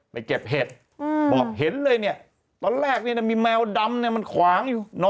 เก็บเห็ดบอกเห็นเลยเนี่ยตอนแรกมีแมวดำเนี่ยมันขวางอยู่